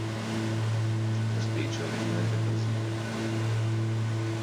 La specie è originaria del Brasile.